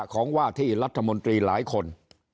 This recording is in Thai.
ของว่าที่รัฐมนตรีหลายคน